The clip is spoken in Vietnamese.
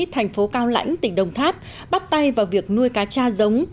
thành phố cao lãnh tỉnh đồng tháp bắt tay vào việc nuôi cá cha giống